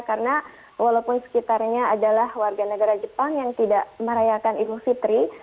karena walaupun sekitarnya adalah warga negara jepang yang tidak merayakan ilmu fitri